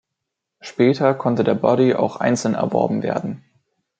Später konnte der Body auch einzeln erworben werden.